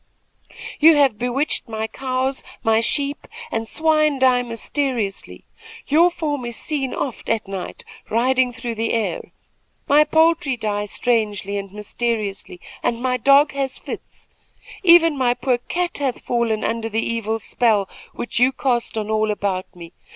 "You have bewitched my cows; my sheep and swine die mysteriously. Your form is seen oft at night riding through the air. My poultry die strangely and mysteriously, and my dog has fits. Even my poor cat hath fallen under the evil spell which you cast on all about me.